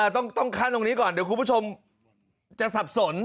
ขั้นตรงนี้ก่อนเดี๋ยวคุณผู้ชมจะสับสน